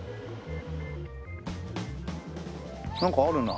なんかあるな。